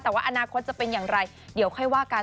แต่ว่าอนาคตจะเป็นอย่างไรเดี๋ยวค่อยว่ากัน